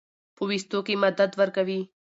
پۀ ويستو کښې مدد ورکوي